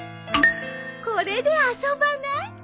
これで遊ばない？